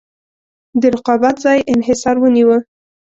د رقابت ځای انحصار ونیوه.